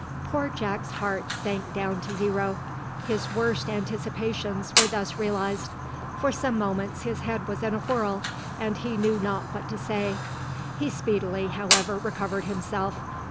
Poor Jack's heart sank down to zero. His worst anticipations were thus realised. For some moments his head was in a whirl, and he knew not what to say. He speedily, however, recovered himself.